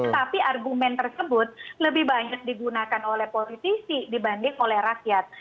tapi argumen tersebut lebih banyak digunakan oleh politisi dibanding oleh rakyat